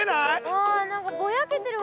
うん何かぼやけてるわ。